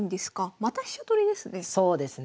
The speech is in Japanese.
また飛車取りですね。